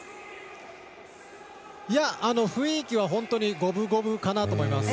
いや、雰囲気は本当に五分五分かなと思います。